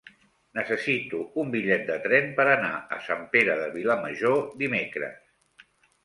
Necessito un bitllet de tren per anar a Sant Pere de Vilamajor dimecres.